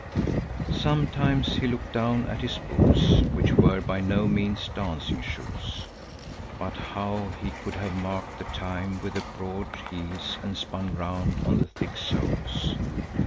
Sometimes he looked down at his boots, which were by no means dancing shoes. But how he could have marked the time with the broad heels and spun round on the thick soles!